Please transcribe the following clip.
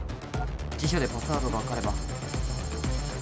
辞書でパスワードが分かれば